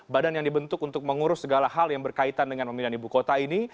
badan yang dibentuk untuk mengurus segala hal yang berkaitan dengan pemindahan ibu kota ini